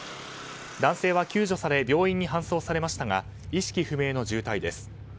男性は救助され病院に搬送されましたが意識不明の重体です。